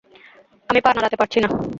আমি পা নাড়াতে পারছি না!